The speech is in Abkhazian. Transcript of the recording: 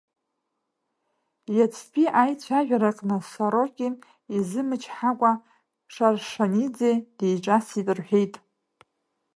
Иацтәи аицәажәараҟны Сорокин изымчҳакәа Шарашаниӡе диҿасит, – рҳәеит.